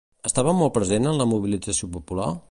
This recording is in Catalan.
Estava molt present en la mobilització popular?